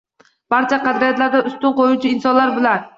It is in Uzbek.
Barcha qadriyatlardan ustun qoʻyuvchi insonlar bular.